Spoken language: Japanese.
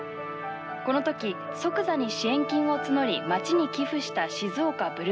この時即座に支援金を募り町に寄付した静岡ブルーレヴズ。